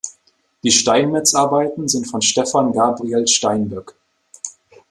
Die Steinmetzarbeiten sind von Stefan Gabriel Steinböck.